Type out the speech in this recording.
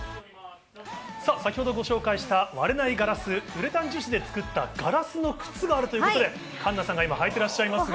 さあ、先ほどご紹介した、割れないガラス、ウレタン樹脂で作ったガラスの靴があるということで、環奈さんが今、履いてらっしゃいますが。